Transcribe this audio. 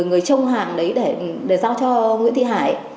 người trông hàng đấy để giao cho nguyễn thị hải